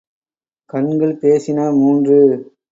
கண்கள் பேசின மூன்று.